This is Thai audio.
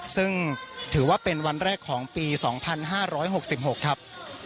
ซึ่งถือว่าเป็นวันแรกของปี๒๕๖๖ครับ